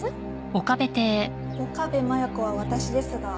岡部真矢子は私ですが。